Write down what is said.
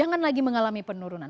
jangan lagi mengalami penurunan